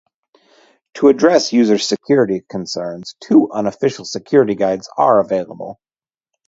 To address user security concerns, two unofficial security guides are available.